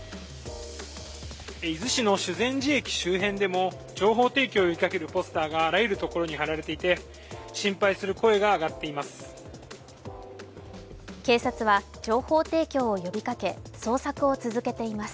伊豆市の修善寺駅周辺でも情報提供を求めるポスターがあらゆるところに貼られていて心配する声が上がっています。